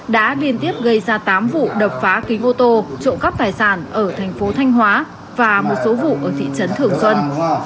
đã liên tiếp gây ra tám vụ đập phá kính ô tô trộm cắp tài sản ở thành phố thanh hóa và một số vụ ở thị trấn thường xuân